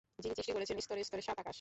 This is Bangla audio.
যিনি সৃষ্টি করেছেন স্তরে স্তরে সাত আকাশ।